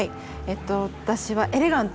私はエレガントを。